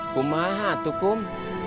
kum mahat tuh kum